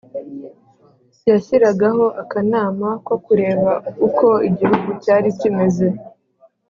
yashyiraga ho akanama ko kureba uko igihugu cyari kimeze.